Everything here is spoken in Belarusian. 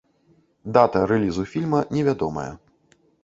Дата рэлізу фільма невядомая.